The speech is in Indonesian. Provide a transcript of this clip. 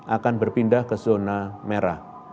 akan berpindah ke zona merah